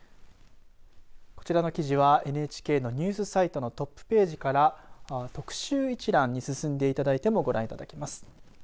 こちらの記事はＮＨＫのニュースサイトのトップページから特集一覧に進んでいただいてもご覧いただけます。